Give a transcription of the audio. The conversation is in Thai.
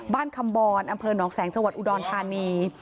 คำบรอำเภอหนองแสงจังหวัดอุดรธานี